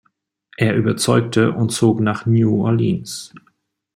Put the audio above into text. Er überzeugte und zog nach New Orleans.